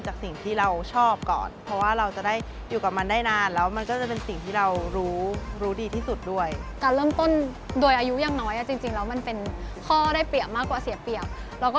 จะรู้ว่าเราจะแก้ปัญหาไปยังไงได้แล้วค่ะ